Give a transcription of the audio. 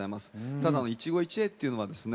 ただ「一期一会」っていうのはですね